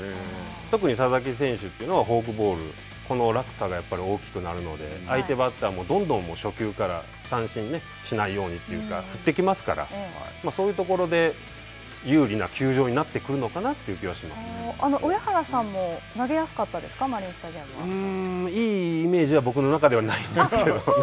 特に佐々木選手というのは、フォークボール、この落差がやっぱり大きくなるので、相手バッターも、どんどん初球から三振しないようにというか、振ってきますから、そういうところで、有利な球場になってくるのかなという気がしま上原さんも投げやすかったですううん、いいイメージは、僕のそうなんですか。